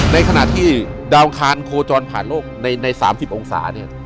ในขณะที่ดาวอังคารโคจรผ่านโลกใน๓๐องศาเนี่ย